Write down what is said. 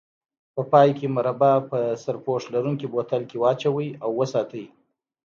په پای کې مربا په سرپوښ لرونکي بوتل کې واچوئ او وساتئ.